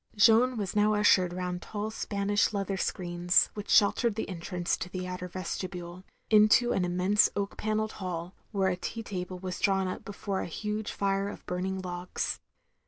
Jeanne was now ushered rotmd tall Spanish leather screens, which sheltered the entrance to the outer vestibule — ^into an immense oak pan nelled hall, where a tea table was drawn up before a huge fire of burning logs.